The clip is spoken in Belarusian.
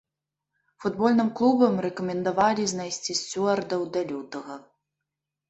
Футбольным клубам рэкамендавалі знайсці сцюардаў да лютага.